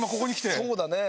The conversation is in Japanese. そうだね。